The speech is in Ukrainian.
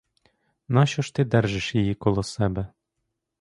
Нащо ж ти держиш її коло себе?